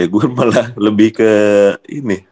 gak tau kenapa ya gue malah lebih ke ini